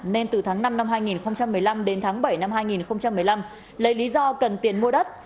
nên từ tháng năm năm hai nghìn một mươi năm đến tháng bảy năm hai nghìn một mươi năm lấy lý do cần tiền mua đất